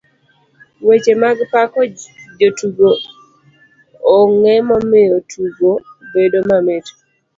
Weche mag pako jotugo onge mamiyo tugo bedo mamit.